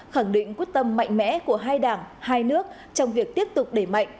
khẳng định quyết tâm mạnh mẽ của hai đảng hai nước trong việc tiếp tục đẩy mạnh